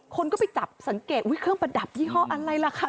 คนก็ไปจับสังเกตอุ๊ยเครื่องประดับยี่ห้ออะไรล่ะคะ